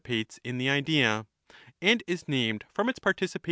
pates in the Idea, and is named from its participation in it.